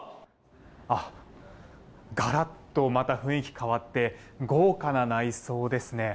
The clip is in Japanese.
がらっとまた雰囲気変わって豪華な内装ですね。